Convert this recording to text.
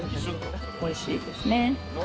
おいしいですね。